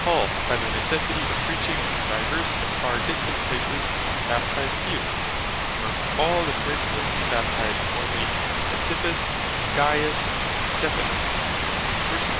Paul, by the necessity of Preaching in divers and far distant places, Baptized few: Amongst all the Corinthians he Baptized only Crispus, Cajus, and Stephanus; (1 Cor.